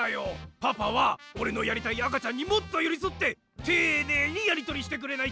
パパはおれのやりたいあかちゃんにもっとよりそってていねいにやりとりしてくれないと！